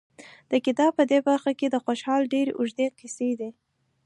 د کتاب په دې برخه کې د خوشحال ډېرې اوږې قصیدې